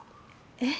えっ？